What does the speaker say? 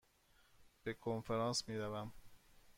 به کنفرانس می روم.